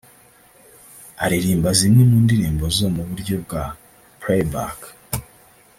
aririmba zimwe mu ndirimbo ze mu buryo bwa Playback